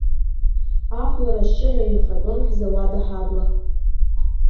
Ахәлара ашьшьыҳәа инахатәон ҳзауад аҳабла.